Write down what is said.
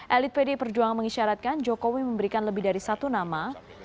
elit pdi perjuangan mengisyaratkan jokowi memberikan lebih dari satu nama